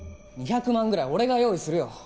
２００万ぐらい俺が用意するよ。